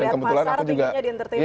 melihat pasar pikirnya di entertainment